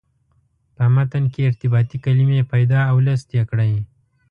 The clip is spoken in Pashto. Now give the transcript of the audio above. په متن کې ارتباطي کلمې پیدا او لست یې کړئ.